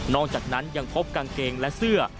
อกจากนั้นยังพบกางเกงและเสื้อ